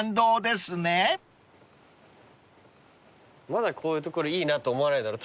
まだ「こういう所いいな」と思わないだろ？